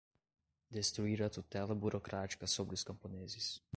destruir a tutela burocrática sobre os camponeses